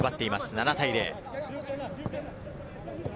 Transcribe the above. ７対０。